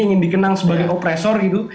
ingin dikenang sebagai operator gitu